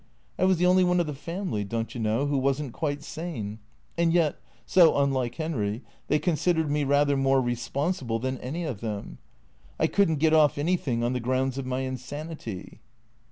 I was the only one of the family, don't you know, who was n't quite sane ; and yet — so unlike Henry — they considered me rather more responsible than any of them. I could n't get ofE anything on the grounds of my insanity."